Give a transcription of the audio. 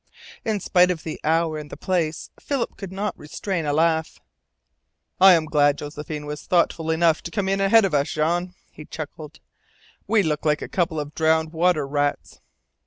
In spite of the hour and the place, Philip could not restrain a laugh. "I'm glad Josephine was thoughtful enough to come in ahead of us, Jean," he chuckled. "We look like a couple of drowned water rats!"